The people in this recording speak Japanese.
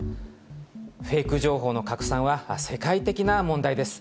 フェイク情報の拡散は、世界的な問題です。